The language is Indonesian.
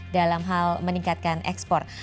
dalam hal meningkatkan ekspor